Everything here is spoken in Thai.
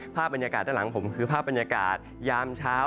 ภาพบรรยากาศด้านหลังผมคือภาพบรรยากาศยามเช้า